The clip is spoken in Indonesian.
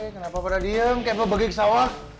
kenapa pada diem kayak apa bagi ke sawah